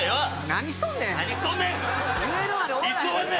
何しとんねん！